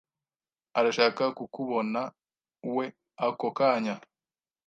arashaka kukubonawe ako kanya.